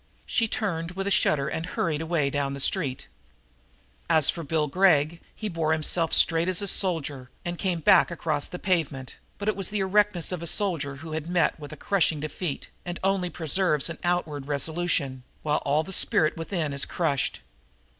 She turned with a shudder and hurried away down the street. As for Bill Gregg he bore himself straight as a soldier and came back across the pavement, but it was the erectness of a soldier who has met with a crushing defeat and only preserves an outward resolution, while all the spirit within is crushed.